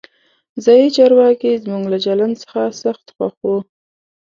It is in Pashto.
ځایي چارواکي زموږ له چلند څخه سخت خوښ وو.